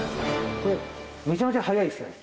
これめちゃめちゃ速いですよね。